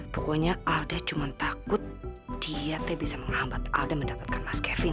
pokoknya alde cuma takut dia teh bisa menghambat alde mendapatkan mas kevin